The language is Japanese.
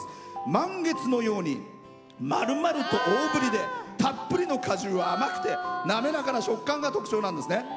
満月のように丸々と大ぶりでたっぷりの果汁が甘くて滑らかな食感が特徴なんですね。